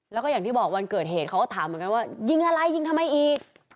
แล้วก็อย่างที่บอกวันเกิดเหตุเขาก็ถามเหมือนกันว่ายิงอะไรยิงทำไมอีก